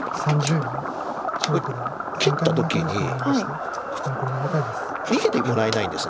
ここへ切った時に逃げてもらえないんです